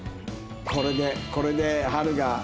これでこれでＨＡＬが。